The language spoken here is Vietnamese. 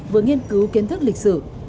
vừa nghiên cứu kiến thức lịch sử